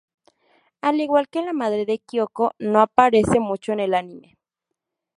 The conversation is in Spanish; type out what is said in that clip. Al igual que la madre de Kyoko, no aparece mucho en el anime.